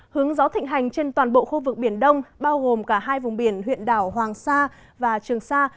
hướng gió thịnh hành trên toàn bộ khu vực biển đông bao gồm cả hai vùng biển huyện đảo hoàng sa và trường sa